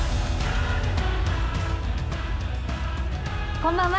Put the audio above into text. こんばんは。